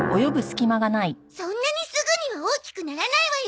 そんなにすぐには大きくならないわよ。